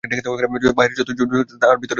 বাহিরে যতই জোর দেখাক তাহার ভিতরে দুর্বলতা ছিল।